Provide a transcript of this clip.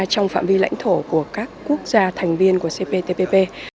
trong phạm vi lãnh thổ của các quốc gia thành viên của cptpp